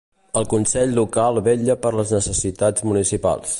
El consell local vetlla per les necessitats municipals.